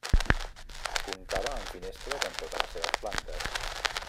Comptava amb finestres en totes les seves plantes.